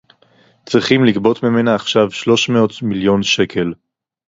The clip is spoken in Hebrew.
צריכים לגבות ממנה עכשיו שלוש מאות מיליון שקל